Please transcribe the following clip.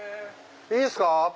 いいですか？